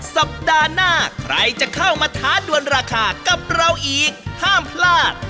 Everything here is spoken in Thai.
สัปดาห์หน้าใครจะเข้ามาท้าดวนราคากับเราอีกห้ามพลาด